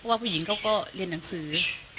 ว่าผู้หญิงเขาก็เรียนหนังสือ